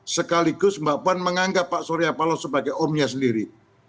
sekaligus mbak puan menganggap pak surya paloh sebagai omnya sendiri